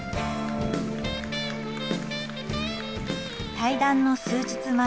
対談の数日前